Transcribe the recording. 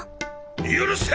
許せ！